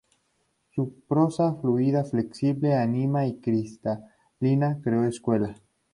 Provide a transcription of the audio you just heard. Su prosa fluida, flexible, animada y cristalina, creó escuela.